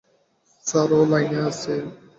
Sir, ও লাইনে আছে।